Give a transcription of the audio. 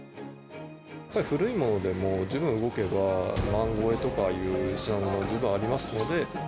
古いものでも十分動けば、万超えとかいう品物も十分ありますので。